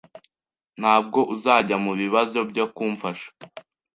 Ntabwo uzajya mubibazo byo kumfasha.